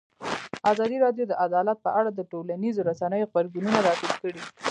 ازادي راډیو د عدالت په اړه د ټولنیزو رسنیو غبرګونونه راټول کړي.